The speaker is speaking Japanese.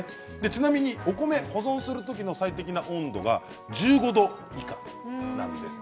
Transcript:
ちなみにお米を保存するときの最適な温度は１５度以下なんです。